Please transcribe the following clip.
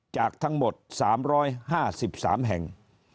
จากทั้งหมด๓๕๓แห่ง